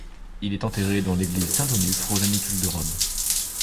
Il est enterré dans l'église Saint-Onuphre au Janicule de Rome.